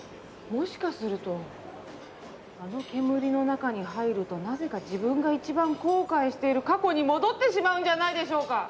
もしかするとあの煙の中に入るとなぜか自分が一番後悔している過去に戻ってしまうんじゃないでしょうか！？